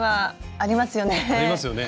ありますよね。